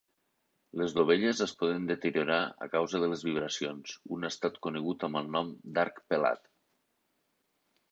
Les dovelles es poden deteriorar a causa de les vibracions, un estat conegut amb el nom d'arc pelat.